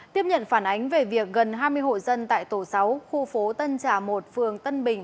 tiếp nhận phản ánh về việc gần hai mươi hộ dân tại tổ sáu khu phố tân trà một phường tân bình